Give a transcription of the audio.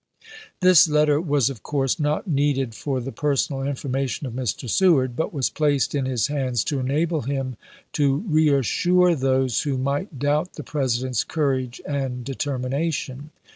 This letter was of course not needed for the per sonal information of Mr. Seward, but was placed in his hands to enable him to reassure those who might doubt the President's courage and determina tion.